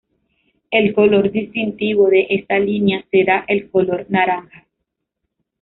El color distintivo de esta línea será el color naranja.